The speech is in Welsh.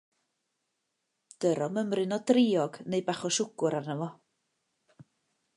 Dyro mymryn o driog neu bach o siwgr arno fo.